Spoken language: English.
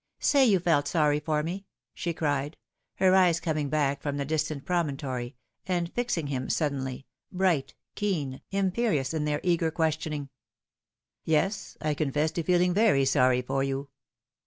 Say you felt sorry for me !" she cried, her eyes coming back from the distant promontory, and fixing him suddenly, bright, keen, imperious in their eager questioning. " Yes, I confess to feeling very sorry for you."